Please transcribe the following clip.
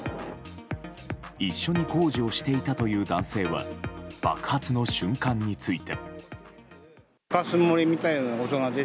一緒に工事をしていたという男性は爆発の瞬間について。